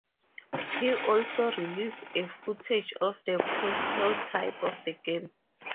He also released a footage of the prototype of the game.